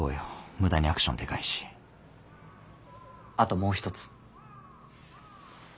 無駄にアクションでかいしあともう一つ。